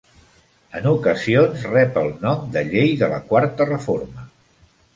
En ocasions rep el nom de Llei de la Quarta Reforma.